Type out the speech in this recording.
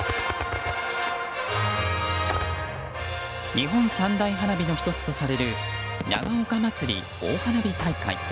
日本三大花火の１つとされる長岡まつり大花火大会。